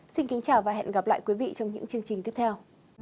xin kính chào và hẹn gặp lại quý vị trong những chương trình tiếp theo